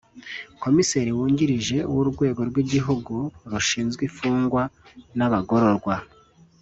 Komiseri Wungirije w’Urwego rw’Igihugu rushinzwe Imfungwa n’Abagororwa